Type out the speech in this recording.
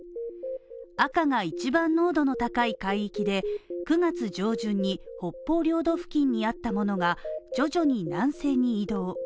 赤が一番濃度の高い海域で９月上旬に北方領土付近にあったものが徐々に南西に移動。